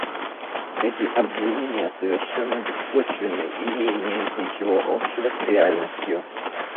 Эти обвинения совершенно беспочвенны и не имеют ничего общего с реальностью.